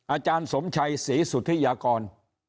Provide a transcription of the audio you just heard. อาจารย์สมชัยศรีสุธิยากร